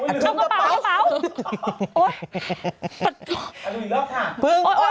กระเป๋า